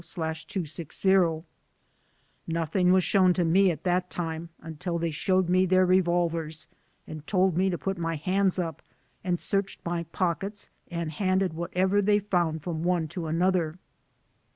54860/260) : "Nothing was shown me at that time until they showed me their revolvers and told me to put mv hands up and searched my pockets and handed whatever they found from one to another."